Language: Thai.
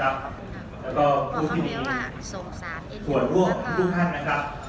แล้วก็คุณที่ที่ส่วนร่วงทุกท่านนะครับ